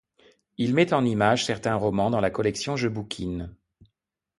Il met en image certains romans dans la collection Je bouquine.